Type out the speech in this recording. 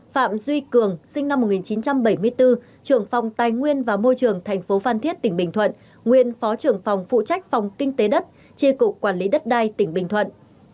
sáu phạm duy cường sinh năm một nghìn chín trăm bảy mươi bốn trưởng phòng tài nguyên và môi trường tp phan thiết tỉnh bình thuận nguyên phó trưởng phòng phụ trách phòng kinh tế đất tri cục quản lý đất đai tỉnh bình thuận